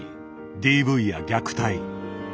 ＤＶや虐待。